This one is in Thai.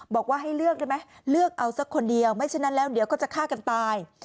บอกว่าให้เลือกได้ไหมเลือกเอาสักคนเดียวไม่ฉะนั้นแล้วเดี๋ยวก็จะฆ่ากันตาย